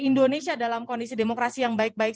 indonesia dalam kondisi demokrasi yang baik baik